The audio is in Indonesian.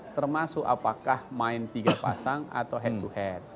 termasuk apakah main tiga pasang atau head to head